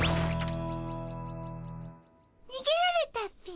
にげられたっピ。